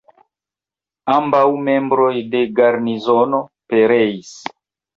Ambaŭ membroj de garnizono pereis.